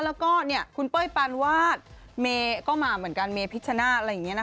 แล้วก็คุณเป้ยปานวาดเมย์ก็มาเหมือนกันเมพิชชนาธิ์อะไรอย่างนี้นะคะ